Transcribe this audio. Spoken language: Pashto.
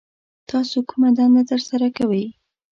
تاسو کومه دنده ترسره کوي